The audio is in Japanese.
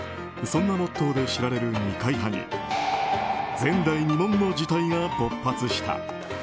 そんなモットーで知られる二階派に前代未聞の事態が勃発した。